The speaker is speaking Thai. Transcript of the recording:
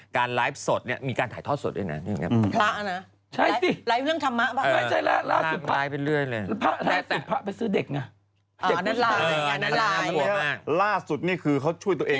การไลฟ์สดมีการถ่ายทอดสดด้วยนะ